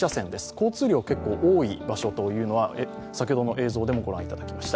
交通量は多い場所というのは先ほどの映像でもご覧いただきました。